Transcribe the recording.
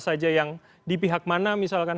saja yang di pihak mana misalkan